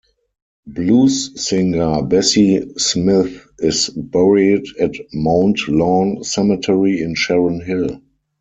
Blues singer Bessie Smith is buried at Mount Lawn Cemetery in Sharon Hill.